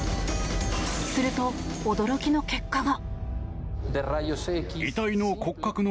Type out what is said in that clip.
すると驚きの結果が。